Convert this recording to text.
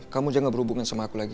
kamu jangan berhubungin sama aku lagi